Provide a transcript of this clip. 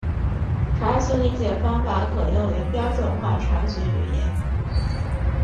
查询理解方法可用于标准化查询语言。